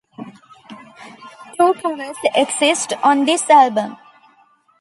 Two covers exist on this album.